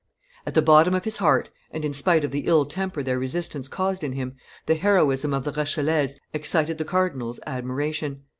At the bottom of his heart, and in spite of the ill temper their resistance caused in him, the heroism of the Rochellese excited the cardinal's admiration.